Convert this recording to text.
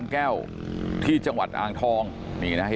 สุดท้ายเนี่ยขี่รถหน้าที่ก็ไม่ยอมหยุดนะฮะ